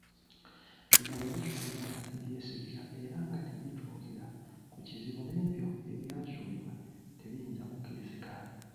Bino bwe bizuulibwa nga tebyesigika era nga tebituukira ku kizibu n’ebyo ebyazuulibwa tebiyinza kukkirizika.